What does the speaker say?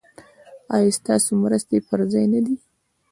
ایا ستاسو مرستې پر ځای نه دي؟